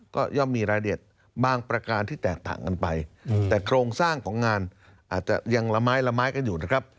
ก็ย่อมมีรายละเอียดบางประการที่แตกต่างกันไปแต่โครงสร้างของงานอาจจะยังละไม้ละไม้กันอยู่นะครับ